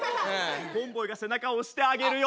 コンボイが背中を押してあげるよ。